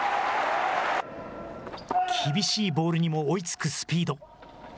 厳しいボールにも追いつくスピード。